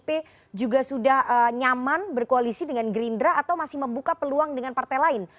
pdip juga sudah nyaman berkoalisi dengan gerindra atau masih membuka peluang dengan partai lain